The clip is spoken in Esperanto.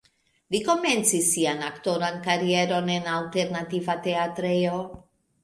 Li komencis sian aktoran karieron en alternativa teatrejo.